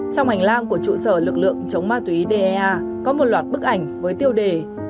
trong hành lang của trụ sở lực lượng chống ma túy dea có một loạt bức ảnh với tiêu đề